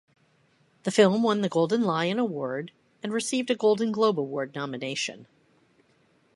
The film won the Golden Lion award and received a Golden Globe Award nomination.